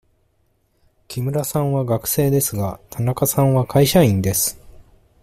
木村さんは学生ですが、田中さんは会社員です。